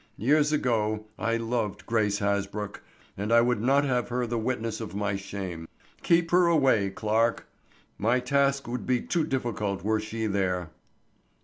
Years ago I loved Grace Hasbrouck, and I would not have her the witness of my shame. Keep her away, Clarke! My task would be too difficult were she there."